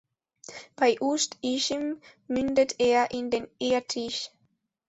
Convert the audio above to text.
Bei Ust-Ischim mündet er in den Irtysch.